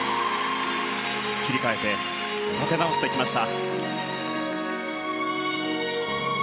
切り替えて立て直してきました。